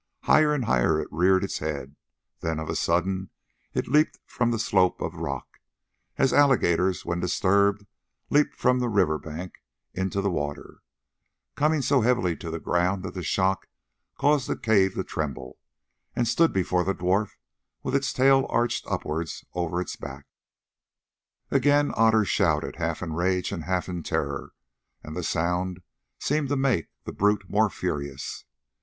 Higher and higher it reared its head, then of a sudden it leaped from the slope of rock, as alligators when disturbed leap from a river bank into the water, coming so heavily to the ground that the shock caused the cave to tremble, and stood before the dwarf with its tail arched upwards over its back. Again Otter shouted, half in rage and half in terror, and the sound seemed to make the brute more furious.